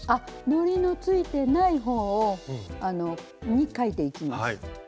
のりのついてない方に描いていきます。